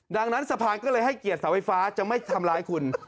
ดังนั้นสะพานก็เลยให้เกียรติเสาไฟฟ้าจะไม่ทำร้ายคุณ